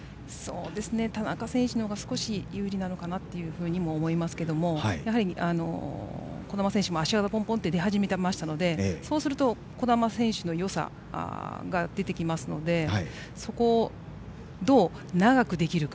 田中選手のほうが少し有利かなと思いますけれどもやはり児玉選手も足技がぽんぽんと出始めたのでそうすると児玉選手のよさが出てきますのでそこを、どう長くできるか。